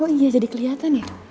oh iya jadi kelihatan ya